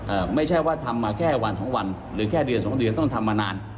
ไม่ใช่ว่าทำมาแค่วันสองวันหรือแค่เดือนสองเดือนต้องทำมานาน